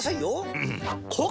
うん！